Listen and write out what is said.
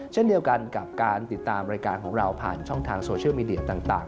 เช่นเดียวกันกับการติดตามรายการของเราผ่านช่องทางโซเชียลมีเดียต่าง